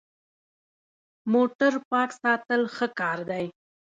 موټر پاک ساتل ښه کار دی.